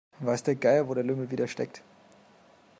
Weiß der Geier, wo der Lümmel wieder steckt.